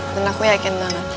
dan aku yakin